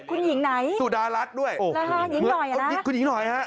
คุณหญิงไหนคุณหญิงหน่อยนะคุณหญิงหน่อย